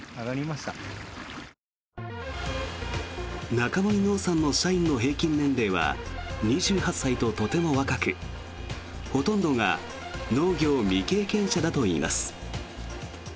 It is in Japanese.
中森農産の社員の平均年齢は２８歳ととても若くほとんどが農業未経験者だといいます。